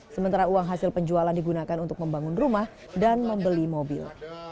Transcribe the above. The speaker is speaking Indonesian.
sementara uang hasil penjualan digunakan untuk membangun rumah dan membeli mobil